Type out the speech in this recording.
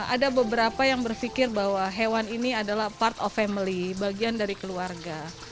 ada beberapa yang berpikir bahwa hewan ini adalah part of family bagian dari keluarga